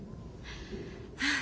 はあ。